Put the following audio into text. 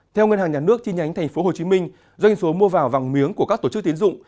theo ngân hàng nhà nước chi nhánh tp hcm doanh số mua vào vàng miếng của các tổ chức tiến dụng